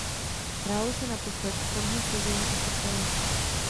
Hrálo se naposled v tomhle složení a systému.